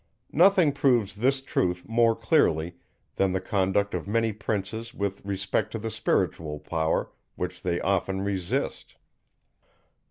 Nothing proves this truth more clearly, than the conduct of many princes with respect to the spiritual power, which they often resist.